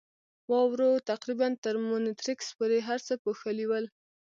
واورو تقریباً تر مونیټریکس پورې هر څه پوښلي ول.